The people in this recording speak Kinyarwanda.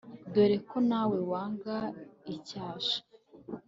dore ko nawe wanga icyasha